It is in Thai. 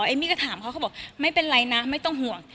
เอมมี่ก็ถามเขาเขาบอกไม่เป็นไรนะไม่ต้องห่วง